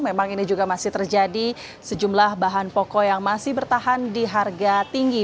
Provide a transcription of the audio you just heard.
memang ini juga masih terjadi sejumlah bahan pokok yang masih bertahan di harga tinggi